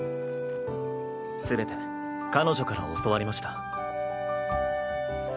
全て彼女から教わりました。